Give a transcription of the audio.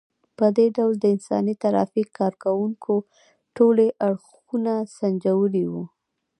په دې ډول د انساني ترافیک کار کوونکو ټولي اړخونه سنجولي وو.